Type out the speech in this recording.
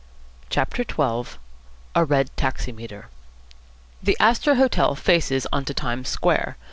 CHAPTER XII A RED TAXIMETER The Astor Hotel faces on to Times Square.